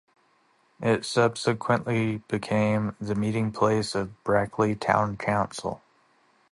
It subsequently became the meeting place of Brackley Town Council.